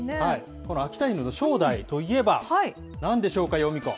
この秋田犬の勝大といえば、なんでしょうか、ヨミ子。